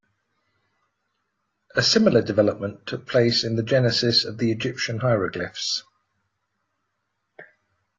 A similar development took place in the genesis of the Egyptian hieroglyphs.